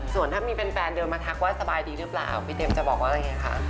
ส่วนถ้ามีแฟนเดินมาทักว่าสบายดีหรือเปล่าพี่เต็มจะบอกว่ายังไงคะ